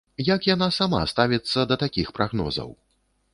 Як яна сама ставіцца да такіх прагнозаў?